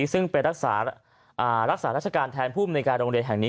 ซึ่งเป็นรักษาราชการแทนผู้มนุยการโรงเรียนแห่งนี้